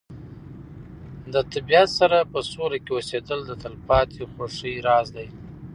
د طبیعت سره په سوله کې اوسېدل د تلپاتې خوښۍ راز دی.